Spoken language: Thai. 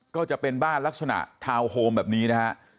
ก็จะเป็นบ้านลักษณะทาวน์โฮมแบบนี้นะฮะ